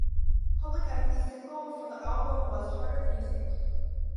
Public Enemy's single from the album was "Harder Than You Think".